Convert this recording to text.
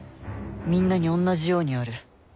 みんなにおんなじようにある。